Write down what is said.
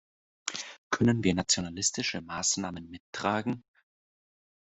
Können wir nationalistische Maßnahmen mittragen?